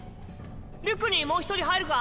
リュックにもう一人入るか？